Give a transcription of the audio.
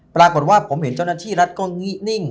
ปรากฏว่าผมเห็นเจ้าหน้าที่รัฐก็นิ่ง